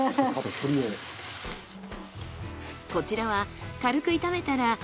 こちらは軽く炒めたら。